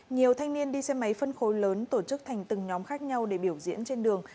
nhiều thanh niên đi xe máy phân khối lớn tổ chức thành từng nhóm khác nhau để biểu diễn trên đường